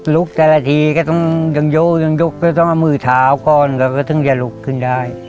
ลุกแต่ละทีก็ต้องยังโยกยังยุกก็ต้องมือเท้าก่อนก็ต้องให้ลุกถึงได้